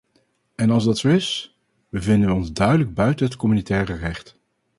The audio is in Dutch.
En als dat zo is, bevinden wij ons duidelijk buiten het communautaire recht.